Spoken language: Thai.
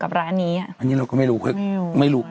ร้านนี้อันนี้เราก็ไม่รู้